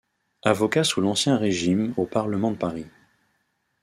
Avocat sous l'Ancien Régime au Parlement de Paris.